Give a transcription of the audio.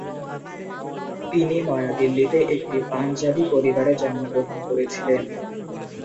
তিনি নয়াদিল্লিতে একটি পাঞ্জাবী পরিবারে জন্মগ্রহণ করেছিলেন।